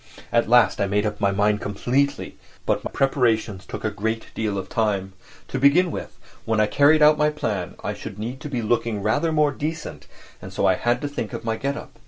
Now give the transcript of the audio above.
At last I made up my mind completely. But my preparations took a great deal of time. To begin with, when I carried out my plan I should need to be looking rather more decent, and so I had to think of my get up.